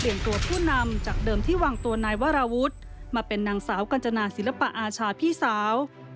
ตัวผู้นำจากเดิมที่วางตัวนายวราวุฒิมาเป็นนางสาวกัญจนาศิลปะอาชาพี่สาว